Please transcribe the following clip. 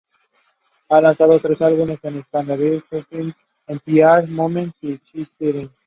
Ha lanzado tres álbumes en Escandinavia, "Surfing in the Air", "Moments" y "Christine".